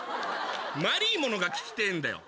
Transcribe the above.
まりーものが聞きてえんだよ。